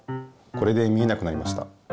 これで見えなくなりました。